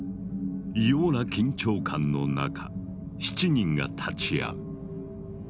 異様な緊張感の中７人が立ち会う。